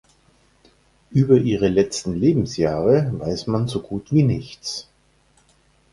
Über ihre letzten Lebensjahre weiß man so gut wie nichts.